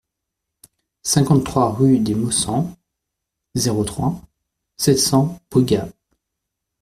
cinquante-trois rue des Maussangs, zéro trois, sept cents Brugheas